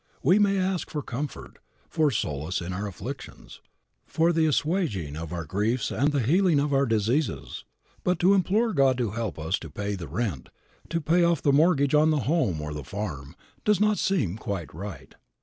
We may ask for comfort, for solace in our afflictions, for the assuaging of our griefs and the healing of our diseases, but to implore God to help us to pay the rent, to pay off the mortgage on the home or the farm, does not seem quite right.